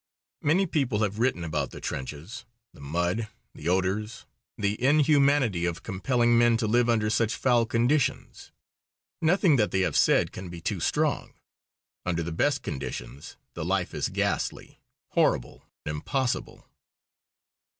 Many people have written about the trenches the mud, the odours, the inhumanity of compelling men to live under such foul conditions. Nothing that they have said can be too strong. Under the best conditions the life is ghastly, horrible, impossible.